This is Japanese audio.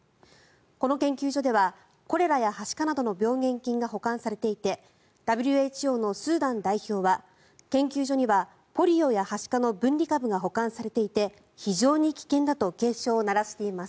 この研究所ではコレラやはしかなどの病原菌が保管されていてＷＨＯのスーダン代表は研究所には、ポリオやはしかの分離株が保管されていて非常に危険だと警鐘を鳴らしています。